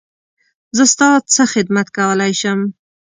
زه ستا څه خدمت کولی شم؟